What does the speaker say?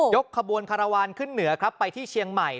ขบวนคารวาลขึ้นเหนือครับไปที่เชียงใหม่